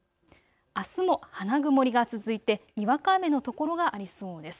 あすも花曇りが続いて、にわか雨の所がありそうです。